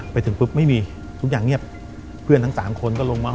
ไปถึงปุ๊บไม่มีทุกอย่างเงียบเพื่อนทั้งสามคนก็ลงมา